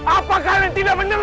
apa kalian tidak mendengar